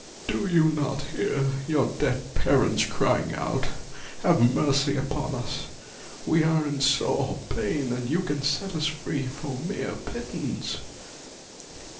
" Do you not hear your dead parents crying out, i Have mercy upon us? We are in sore pain and you can set us free for a mere pittance?